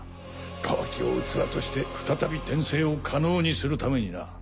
カワキを器として再び転生を可能にするためにな。